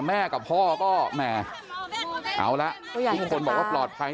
อยากจะเห็นว่าลูกเป็นยังไงอยากจะเห็นว่าลูกเป็นยังไง